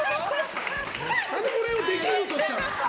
何でこれをできるとしたの？